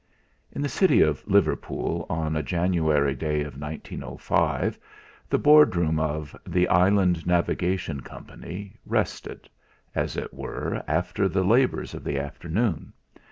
In the City of Liverpool, on a January day of 1905, the Board room of "The Island Navigation Company" rested, as it were, after the labours of the afternoon.